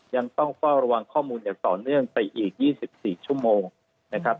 ยังต้องเฝ้าระวังข้อมูลอย่างต่อเนื่องไปอีก๒๔ชั่วโมงนะครับ